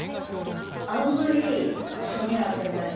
あんまり日に当てない。